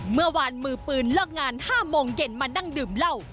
เมื่อวานมือปืนเลิกงาน๕โมงเย็นมานั่งดื่มเหล้า